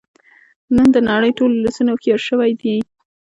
نن د نړۍ ټول ولسونه هوښیار شوی دی